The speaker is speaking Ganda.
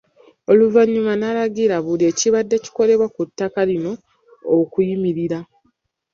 Oluvannyuma alagidde buli kibadde kikolebwa ku ttaka lino okuyimirira